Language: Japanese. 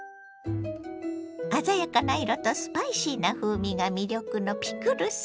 鮮やかな色とスパイシーな風味が魅力のピクルス。